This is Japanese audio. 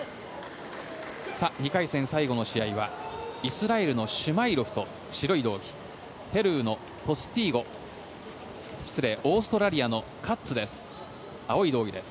２回戦最後の試合はイスラエルのシュマイロフと白い道着のオーストラリアのカッツです。